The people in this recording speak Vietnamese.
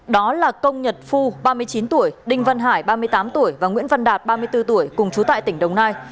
đó là công nhật phu ba mươi chín tuổi đinh văn hải ba mươi tám tuổi và nguyễn văn đạt ba mươi bốn tuổi cùng chú tại tỉnh đồng nai